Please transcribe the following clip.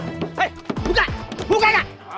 lu langsung pergi lan